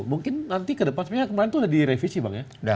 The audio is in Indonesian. mungkin nanti ke depan sebenarnya kemarin itu sudah direvisi bang ya